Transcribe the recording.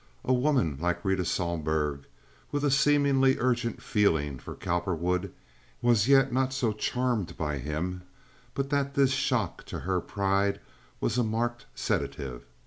A woman like Rita Sohlberg, with a seemingly urgent feeling for Cowperwood, was yet not so charmed by him but that this shock to her pride was a marked sedative.